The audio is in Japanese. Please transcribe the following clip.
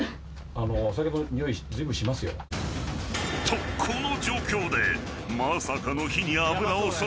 ［とこの状況でまさかの］